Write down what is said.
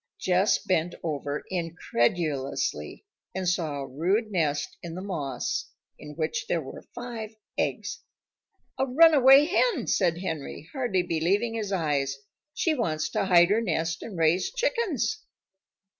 Jess bent over incredulously and saw a rude nest in the moss in which there were five eggs. "A runaway hen!" said Henry, hardly believing his eyes. "She wants to hide her nest and raise chickens."